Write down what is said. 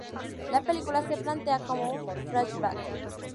La película se plantea como un flashback.